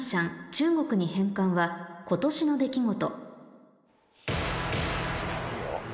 中国に返還は今年の出来事」